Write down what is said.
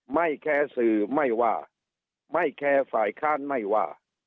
ไม่แคร์สื่อไม่ว่าไม่แคร์ฝ่ายค้านไม่ว่า